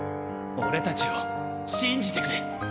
俺たちを信じてくれ。